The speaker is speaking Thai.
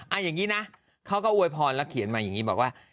เอาอย่างนี้นะเขาก็อวยพรแล้วเขียนมาอย่างนี้บอกว่า